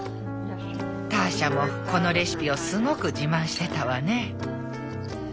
ターシャもこのレシピをすごく自慢してたわね。